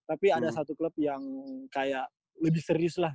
tapi ada satu klub yang kayak lebih serius lah